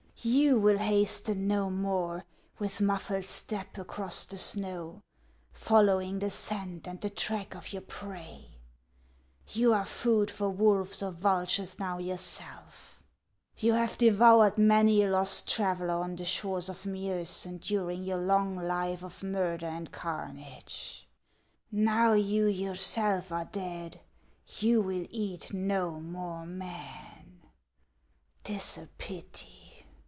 You will hasten no more with muffled step across the snow, follow ing the scent and the track of your prey ; you are food for wolves or vultures now yourself; you have devoured many a lost traveller on the shores of Miosen during your long life of murder and carnage ; now you yourself are dead, you will eat no more men. 'T is a pity